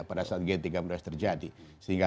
pada saat g tiga puluh s terjadi sehingga